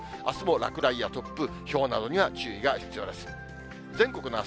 あすも落雷や突風、ひょうなどには注意が必要です。